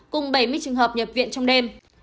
cùng bảy mươi trường hợp nhập viện trong đêm